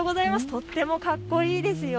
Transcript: とてもかっこいいですよ。